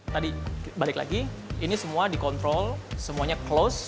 tadi balik lagi ini semua dikontrol semuanya close